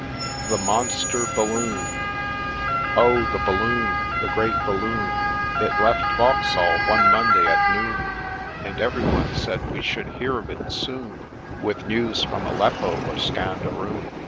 179 THE 'MONSTRE' BALLOON OH ! the balloon, the great balloon It left Vauxhall one Monday at noon, And every one said we should hear of it soon With news from Aleppo or Scanderoon.